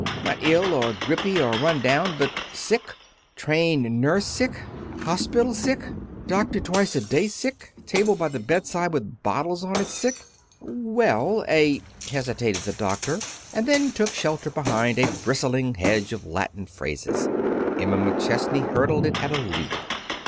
Not ill, or grippy, or run down, but sick! Trained nurse sick! Hospital sick! Doctor twice a day sick! Table by the bedside with bottles on it sick!" "Well a " hesitated the doctor, and then took shelter behind a bristling hedge of Latin phrases. Emma McChesney hurdled it at a leap.